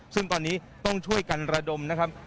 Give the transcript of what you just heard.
ซึ่งตอนนี้ต้องช่วยกันระดมนะครับ